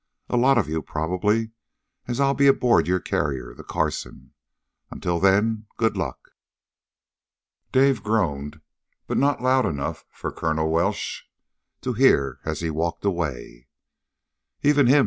A lot of you, probably, as I'll be aboard your carrier, the Carson. Until then, good luck!" Dave groaned, but not loud enough for Colonel Welsh to hear as he walked away. "Even him!"